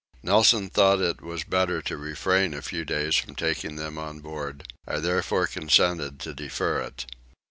Nelson thought that it was better to refrain a few days from taking them on board; I therefore consented to defer it.